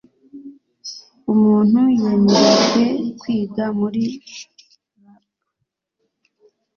umuntu yemererwe kwiga muri rp